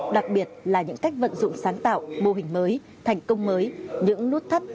đặc biệt là những cách vận dụng sáng tạo mô hình mới thành công mới những nút thắt